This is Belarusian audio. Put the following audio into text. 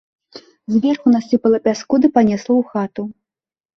Зверху насыпала пяску ды панесла ў хату.